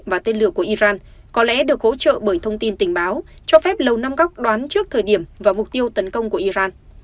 và tên lửa của iran có lẽ được hỗ trợ bởi thông tin tình báo cho phép lầu năm góc đón trước thời điểm và mục tiêu tấn công của iran